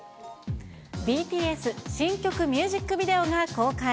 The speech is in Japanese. ＢＴＳ新曲ミュージックビデオが公開。